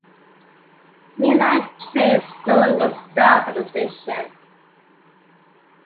Mainline trains no longer stop at the station.